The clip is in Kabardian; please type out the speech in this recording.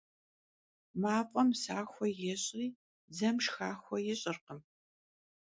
Maf'em saxue yêş'ri dzem şşxaxue yiş'ırkhım.